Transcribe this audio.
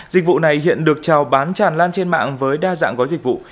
dịch vụ này hiện được trào bán tràn lan trên mạng với đa dạng gói dịch vụ